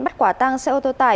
bắt quả tăng xe ô tô tải